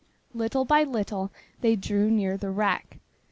Little by little they drew near the wreck.